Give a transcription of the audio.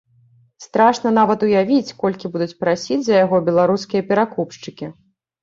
Страшна нават уявіць, колькі будуць прасіць за яго беларускія перакупшчыкі.